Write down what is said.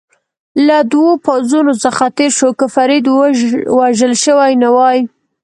له دوو پوځونو څخه تېر شو، که فرید وژل شوی نه وای.